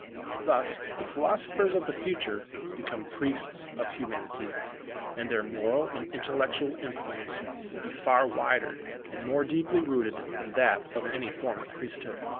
Thus the philosophers of the future become priests of Humanity, and their moral and intellectual influence will be far wider and more deeply rooted than that of any former priesthood.